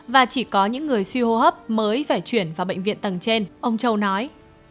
và chỉ có những người suy hô hấp mới phải chuyển vào bệnh viện tầng trên ông châu nói